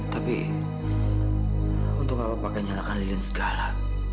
tapi untuk apa pakainya akan lilin segala